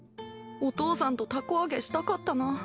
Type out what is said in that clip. お父さんと凧あげしたかったな。